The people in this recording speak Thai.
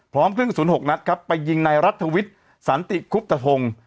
พร้อมเครื่องกระสุน๖นัดครับไปยิงในรัฐวิทย์สันติคุบตะพงศ์